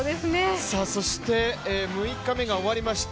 そして、６日目が終わりました。